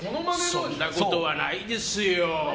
そんなことはないですよぉ。